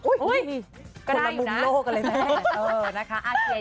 โอ๊ยคนละมุมโลกอะไรแม่